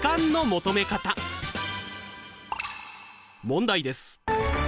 問題です。